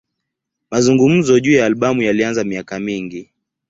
Mazungumzo juu ya albamu yalianza miaka mingi.